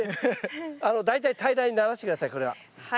大体平らにならして下さいこれは。